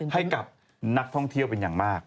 ให้กับนักท่องเที่ยวเป็นอย่างมาก